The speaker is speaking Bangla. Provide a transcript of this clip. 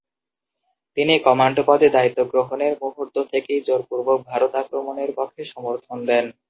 তিনি কমান্ড পদে দায়িত্ব গ্রহণের মুহূর্ত থেকেই জোরপূর্বক ভারত আক্রমণের পক্ষে সমর্থন দেন।